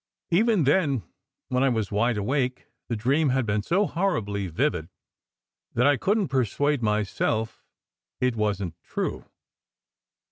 Even then, when I was wide awake, the dream had been so horribly vivid that I couldn t persuade myself it wasn t true.